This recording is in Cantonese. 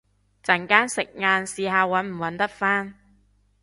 陣間食晏試下搵唔搵得返